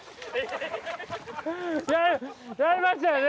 やりましたよね？